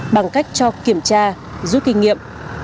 bằng cách cho kiểm tra rút kinh nghiệm